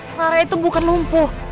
clara itu bukan lumpuh